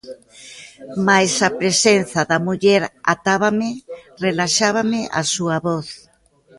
Mais a presenza da muller atábame, relaxábame a súa voz.